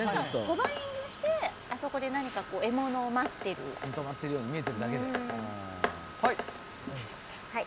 ホバリングしてあそこで何か獲物を待ってる止まってるように見えてるだけではい王林さん